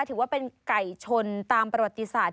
ถือว่าเป็นไก่ชนตามประวัติศาสตร์